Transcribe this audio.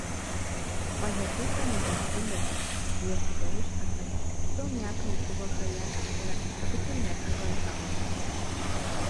Къуалэбзухэм удзыжь жылэхэр, егъу псэущхьэхэр, псом япэу дзыгъуэхэр яшхкӀэрэ, абыхэм я бжыгъэм хагъэщӀ.